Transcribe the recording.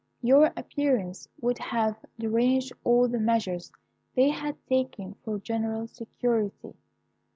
Your appearance would have deranged all the measures they had taken for general security.